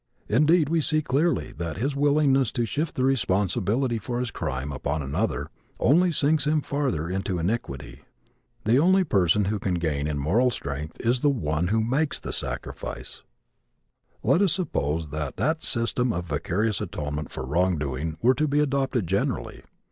Indeed, we see clearly that his willingness to shift the responsibility for his crime upon another only sinks him farther into iniquity. The only person who can gain in moral strength is the one who makes the sacrifice. Let us suppose that that system of vicarious atonement for wrong doing were to be adopted generally.